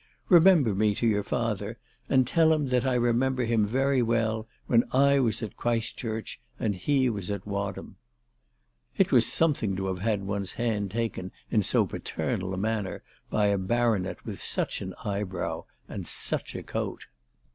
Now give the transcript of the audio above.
" Remember me to your father, and tell him that I remember him very well when I was at Christchurch and he was at Wadham." It was something to have had one's hand taken in so paternal a manner by a baronet with such an eyebrow, and such a coat.